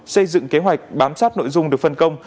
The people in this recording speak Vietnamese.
xây dựng kế hoạch bám sát nội dung được phân công